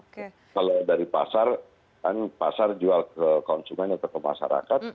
kalau dari pasar kan pasar jual ke konsumen atau ke masyarakat